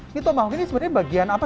ini tomahawk ini sebenarnya bagian apa